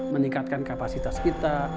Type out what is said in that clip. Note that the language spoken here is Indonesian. meningkatkan kapasitas kita